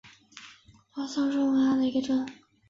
罗桑日是瑞士联邦西部法语区的沃州下设的一个镇。